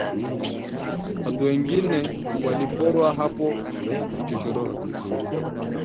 Watu wengi waliporwa hapo kichochoroni